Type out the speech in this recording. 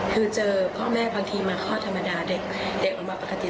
คือเจอพ่อแม่บางทีมาคลอดธรรมดาเด็กออกมาปกติ